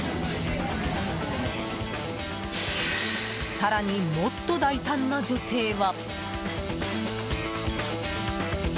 更に、もっと大胆な女性は。